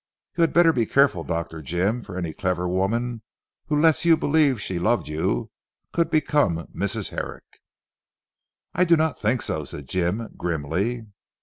You had better be careful Dr. Jim, for any clever woman who let you believe she loved you could become Mrs. Herrick!" "I do not think so," said Jim grimly.